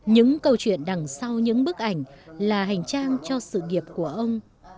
những câu chuyện đằng sau những bức ảnh là hành trang cho sự nghiệp của ông